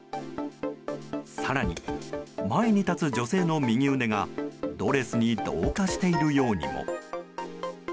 更に、前に立つ女性の右腕がドレスに同化しているようにも。